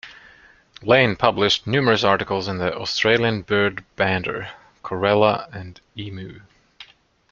Lane published numerous articles in the "Australian Bird Bander", "Corella" and "Emu".